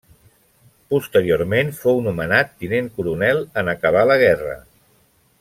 Posteriorment fou nomenat tinent coronel en acabar la guerra.